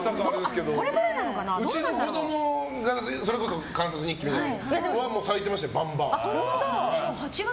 うちの子供、それこそ観察日記みたいなのやってましたがもう咲いてましたよ、バンバン。